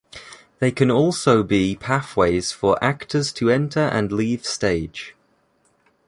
They can also be pathways for actors to enter and leave stage.